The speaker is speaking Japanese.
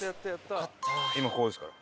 今ここですから。